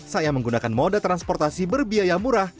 saya menggunakan moda transportasi berbiaya murah